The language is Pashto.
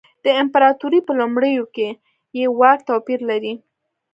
د امپراتورۍ په لومړیو کې یې واک توپیر لري.